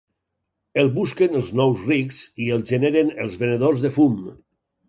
El busquen els nous rics i el generen els venedors de fum.